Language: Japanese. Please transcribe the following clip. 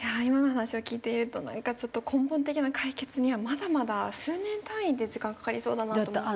今の話を聞いているとなんかちょっと根本的な解決にはまだまだ数年単位で時間かかりそうだなと思って。